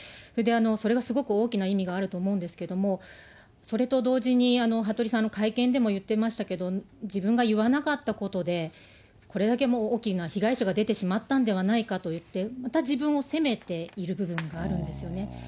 それがすごく大きな意味があると思うんですけど、それと同時に、服部さん、会見でも言ってましたけれども、自分が言わなかったことで、これだけ大きな被害者が出てしまったんではないかと言って、また自分を責めている部分があるんですよね。